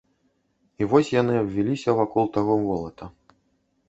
І вось яны абвіліся вакол таго волата.